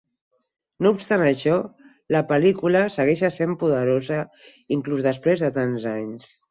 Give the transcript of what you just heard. No obstant això, la pel·lícula segueix essent poderosa inclús després de tants anys.